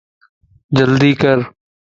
جلدي ڪر